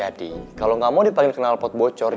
jadi kalo gak mau dipanggil kenal pot bocor